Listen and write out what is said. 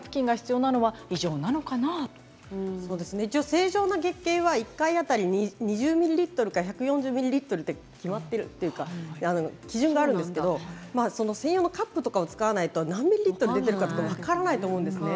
正常な月経は１回当たり２０ミリリットルから１４０ミリリットルと決まっているというか基準があるんですけれど専用のカップとかを使わないと何ミリリットルなのか分からないと思うんですね。